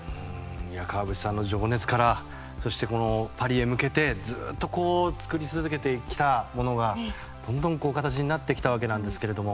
川淵さんの情熱からそして、このパリへ向けてずっとこう作り続けてきたものがどんどん形になってきたわけなんですけれども。